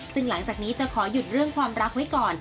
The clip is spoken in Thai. ซึ่งหลังจากนี้จะขอหยุดเรื่องความรักไว้ก่อน